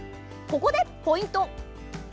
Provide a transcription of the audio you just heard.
ここでポイント！